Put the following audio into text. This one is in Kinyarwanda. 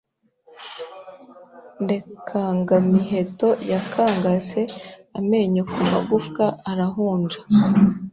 Rukangamiheto yakangase amenyo ku magufwa Arahunja